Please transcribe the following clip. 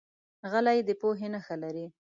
غلی، د پوهې نښه لري.